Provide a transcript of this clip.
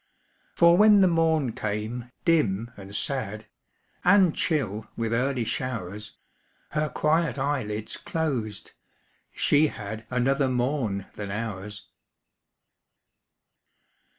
For when the morn came, dim and sad, And chill with early showers, Her quiet eyelids closed she had Another morn than ours.